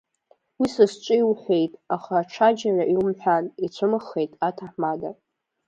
Уи са сҿы иуҳәеит, аха аҽаџьара иумҳәан, ицәымыӷхеит аҭаҳмада.